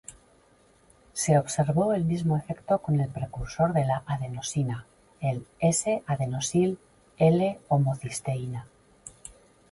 Se observó el mismo efecto con el precursor de la adenosina, el S-Adenosil L-homocisteína.